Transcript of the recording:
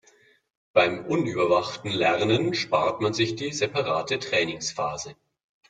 Beim unüberwachten Lernen spart man sich die separate Trainingsphase.